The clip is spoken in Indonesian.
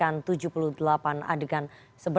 ataupun oleh pihak kepolisian